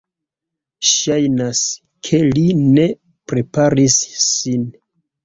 Ŝajnas, ke li ne preparis sin